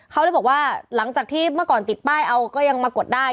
เขาเลยบอกว่าหลังจากที่เมื่อก่อนติดป้ายเอาก็ยังมากดได้